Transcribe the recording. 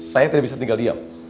saya tidak bisa tinggal diam